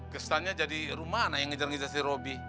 kesannya jadi rumah anak yang ngejar ngiris si roby